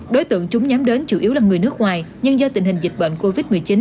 đối tượng chúng nhắm đến chủ yếu là người nước ngoài nhưng do tình hình dịch bệnh covid một mươi chín